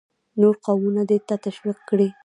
نور قومونه دې ته تشویق کړي.